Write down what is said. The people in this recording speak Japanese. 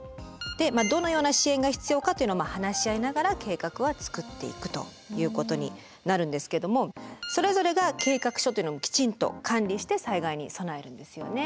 でどのような支援が必要かというのは話し合いながら計画は作っていくということになるんですけどもそれぞれが計画書というのをきちんと管理して災害に備えるんですよね。